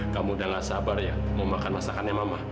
kamu udah gak sabar ya mau makan masakannya mama